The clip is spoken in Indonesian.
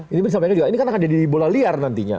ini disampaikan juga ini kan akan jadi bola liar nantinya